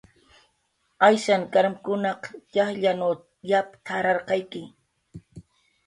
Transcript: "Ayshan karmkunaq txajllanw yap t""ararqayki"